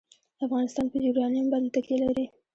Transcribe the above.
افغانستان په یورانیم باندې تکیه لري.